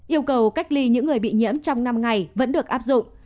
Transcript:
yêu cầu cách ly những người bị nhiễm trong năm ngày vẫn được áp dụng